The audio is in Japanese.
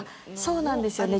そうなんですよね。